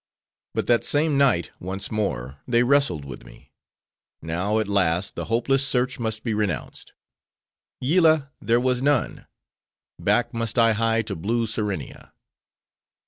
But that same night, once more, they wrestled with me. Now, at last, the hopeless search must be renounced: Yillah there was none: back must I hie to blue Serenia.